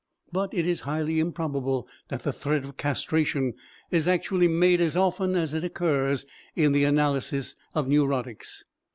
But it is highly improbable that the threat of castration is actually made as often as it occurs in the analyses of neurotics.